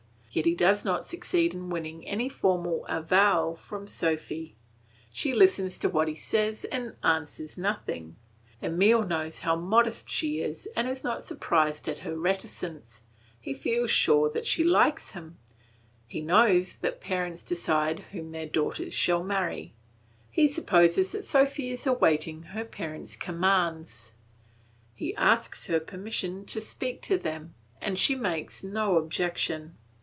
Yet he does not succeed in winning any formal avowal from Sophy; she listens to what he says and answers nothing. Emile knows how modest she is, and is not surprised at her reticence; he feels sure that she likes him; he knows that parents decide whom their daughters shall marry; he supposes that Sophy is awaiting her parents' commands; he asks her permission to speak to them, and she makes no objection.